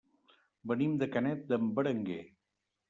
Venim de Canet d'en Berenguer.